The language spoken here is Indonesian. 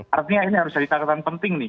artinya ini harus jadi tarik tarikan penting nih